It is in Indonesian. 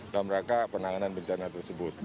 dalam rangka penanganan bencana tersebut